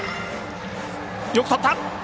よくとった！